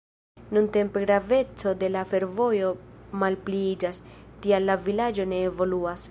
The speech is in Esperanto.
Nuntempe graveco de la fervojo malpliiĝas, tial la vilaĝo ne evoluas.